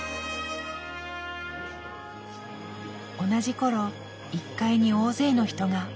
同じころ１階に大勢の人が。